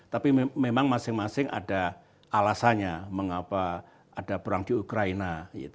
tapi memang masing masing ada alasannya mengapa ada perang di ukraina